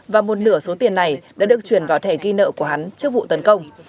và một nửa số tiền này đã được chuyển vào thẻ ghi nợ của hắn trước vụ tấn công